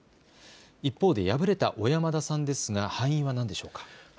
一方で敗れた小山田さんですが敗因は何でしょうか。